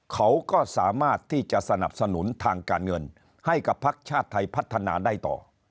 เขาก็สามารถที่จะสนับสนุนทางการเงินให้กับพักชาติไทยพัฒนาได้ต่อ